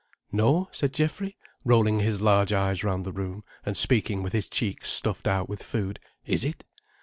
"No," said Geoffrey, rolling his large eyes round the room, and speaking with his cheek stuffed out with food. "Is it?"